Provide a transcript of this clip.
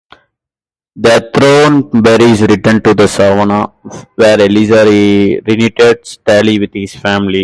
The Thornberrys return to the Savannah, where Eliza reunites Tally with his family.